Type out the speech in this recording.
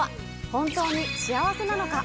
本当に幸せなのか？